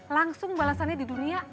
langsung balasannya di dunia